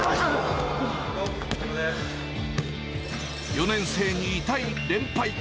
４年生に痛い連敗。